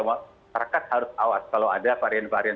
masyarakat harus awas kalau ada varian varian